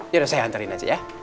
yaudah saya anterin aja ya